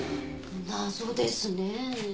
謎ですねえ。